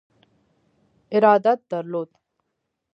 ارادت درلود.